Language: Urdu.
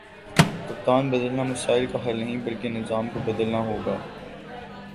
کپتان بدلنا مسائل کا حل نہیں بلکہ نظام کو بدلنا ہوگا